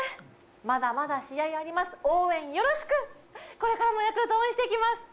これからもヤクルトを応援していきます。